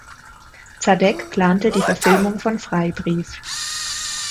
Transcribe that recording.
Zadek plante die Verfilmung von "Freibrief".